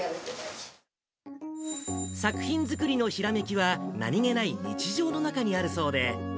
作品作りのひらめきは、何気ない日常の中にあるそうで。